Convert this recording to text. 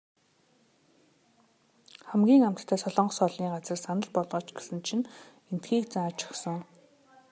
Хамгийн амттай солонгос хоолны газрыг санал болгооч гэсэн чинь эндхийг зааж өгсөн.